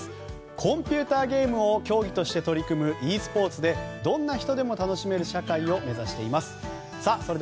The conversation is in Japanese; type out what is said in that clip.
コンピューターゲームを競技として取り組むｅスポーツでどんな人でも楽しめる社会を目指しています。